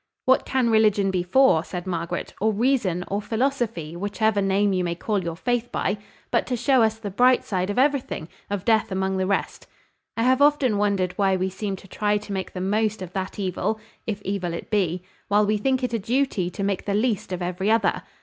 "What can religion be for," said Margaret, "or reason, or philosophy, whichever name you may call your faith by, but to show us the bright side of everything of death among the rest? I have often wondered why we seem to try to make the most of that evil (if evil it be), while we think it a duty to make the least of every other.